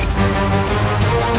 itu dia rangga soka